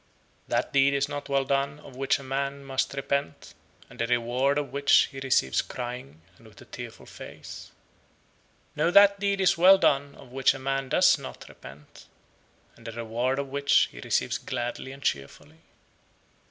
That deed is not well done of which a man must repent, and the reward of which he receives crying and with a tearful face. 68. No, that deed is well done of which a man does not repent, and the reward of which he receives gladly and cheerfully.